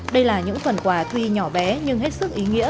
đây là những phần quà tuy nhỏ bé nhưng hết sức ý nghĩa